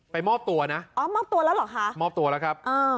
มอบตัวนะอ๋อมอบตัวแล้วเหรอคะมอบตัวแล้วครับเออ